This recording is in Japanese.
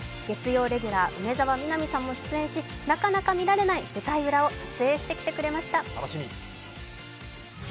月曜レギュラー、梅澤美波さんも出演しなかなか見られない舞台裏を撮影してきてくれました。